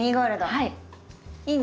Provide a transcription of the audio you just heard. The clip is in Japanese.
はい。